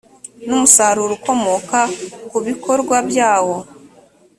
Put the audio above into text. n umusaruro ukomoka ku bikorwa byawo